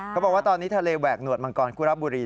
เขาบอกว่าตอนนี้ทะเลแหวกหวดมังกรคุระบุรี